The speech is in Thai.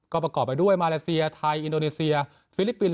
ก็ประกอบไปด้วยมาเลเซียไทยอินโดนีเซียฟิลิปปินส